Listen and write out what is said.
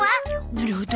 なるほど。